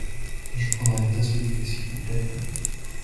Je prendrai une tasse de thé s'il vous plait.